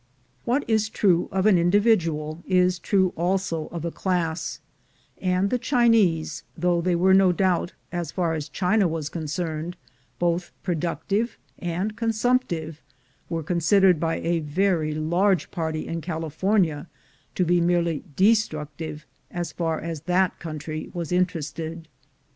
What is true of an individual is true also of a class; and the Chinese, though they were no doubt, as far as China was concerned, both productive and con sumptive, were considered by a very large party in California to be merely destructive as far as that country was interested.